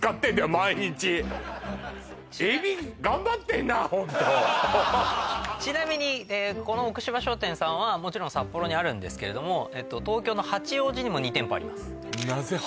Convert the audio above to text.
毎日ホントちなみにこの奥芝商店さんはもちろん札幌にあるんですけれども東京のなぜ八王子に２店舗？